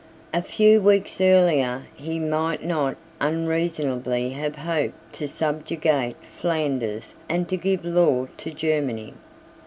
A few weeks earlier he might not unreasonably have hoped to subjugate Flanders and to give law to Germany.